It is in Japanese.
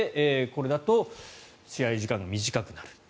これだと試合時間が短くなる。